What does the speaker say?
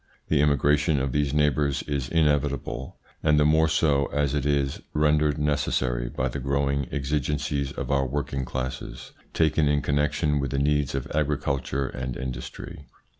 The immigration of these neighbours is inevitable, and the more so as it is rendered necessary by the growing exigencies of our ITS INFLUENCE ON THEIR EVOLUTION 163 working classes, taken in connection with the needs of agriculture and industry.